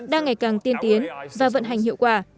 đang ngày càng tiên tiến và vận hành hiệu quả